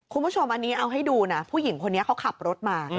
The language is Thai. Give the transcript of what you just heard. คุณผู้ชมอันนี้เอาให้ดูนะผู้หญิงคนนี้เขาขับรถมา